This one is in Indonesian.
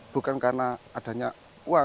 bukan karena adanya uang